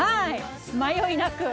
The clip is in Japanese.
迷いなく。